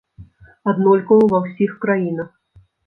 Аднолькава ва ўсіх краінах.